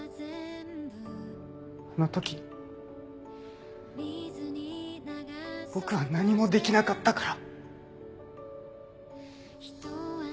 あの時僕は何もできなかったから。